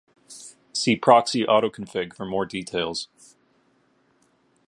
See Proxy auto-config for more details.